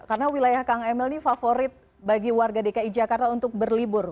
karena wilayah kang emil ini favorit bagi warga dki jakarta untuk berlibur